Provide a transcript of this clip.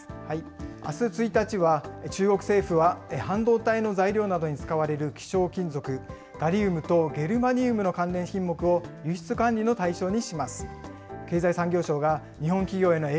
あす１日は、中国政府は、半導体の材料などに使われる希少金属、ガリウムとゲルマニウムの関連品目を輸出管理の対象にします。